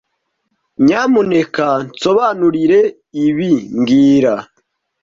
Nyamuneka nsobanurire ibi mbwira